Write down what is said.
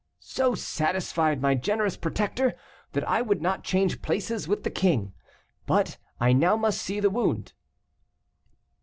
"So satisfied, my generous protector, that I would not change places with the king. But I now must see the wound."